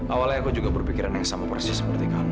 awalnya aku juga berpikiran yang sama persis seperti kamu